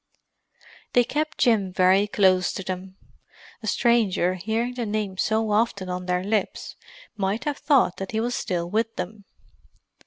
They kept Jim very close to them. A stranger, hearing the name so often on their lips, might have thought that he was still with them.